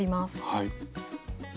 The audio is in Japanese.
はい。